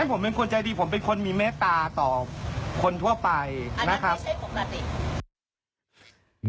อันนั้นไม่ใช่ปกติ